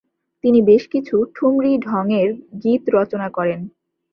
তিনি বেশ কিছু ঠুমরী ঢংয়ের গীত রচনা করেন।